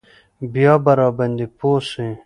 بيا به راباندې پوه سي.